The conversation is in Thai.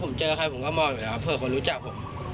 ผมเจอใครผมก็มองอยู่แล้วเผื่อคนรู้จักผม